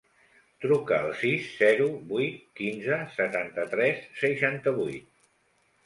Truca al sis, zero, vuit, quinze, setanta-tres, seixanta-vuit.